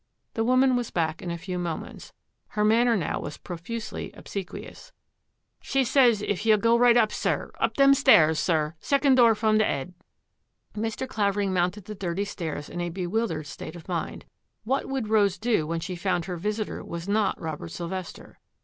The woman was back in a few moments. Her manner was now profusely obsequious. " She sez if ye'U go right up, sir, up them stairs, sir, second door from the 'ead." Mr. Clavering mounted the dirty stairs in a be wildered state of mind. What would Rose do when she found her visitor was not Robert Sylvester?